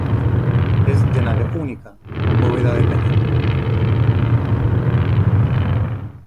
Es de nave única con bóveda de cañón.